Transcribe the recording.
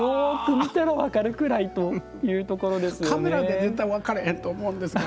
カメラで絶対分からへんと思うんですが。